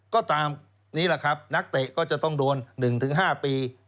ก็ตามนี้แหละครับนักเตะก็จะต้องโดน๑๕ปี